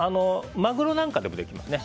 マグロなんかでもできますね。